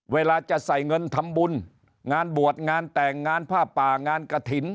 เวลาจะใส่เงินทำบุญงานบวชงานแต่งงานผ้าป่างานกระถิ่น